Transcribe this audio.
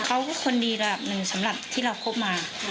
เขาก็คนดีแหละหนึ่งสำหรับที่เราคบมา